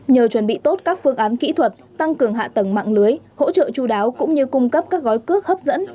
nhờ chuẩn bị tốt các phương án kỹ thuật tăng cường hạ tầng mạng lưới hỗ trợ chú đáo cũng như cung cấp các gói cước hấp dẫn